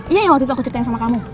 iya ya waktu itu aku ceritain sama kamu